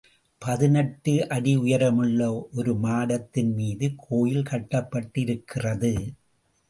பதினெட்டு அடி உயரமுள்ள ஒரு மாடத்தின் மீது கோயில் கட்டப்பட்டிருக்கிறது.